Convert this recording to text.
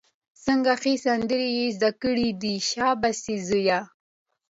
څنګه ښې سندرې یې زده کړې دي، شابسي زویه!